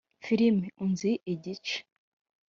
Film Unzi Igice